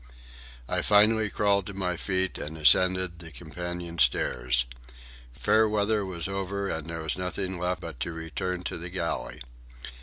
I finally crawled to my feet and ascended the companion stairs. Fair weather was over, and there was nothing left but to return to the galley.